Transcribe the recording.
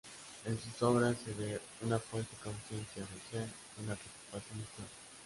En sus obras, se ve una fuerte conciencia social, una preocupación histórica.